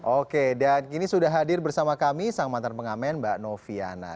oke dan kini sudah hadir bersama kami sang mantan pengamen mbak noviana